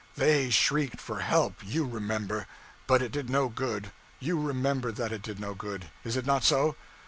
they shrieked for help, you remember; but it did no good; you remember that it did no good, is it not so?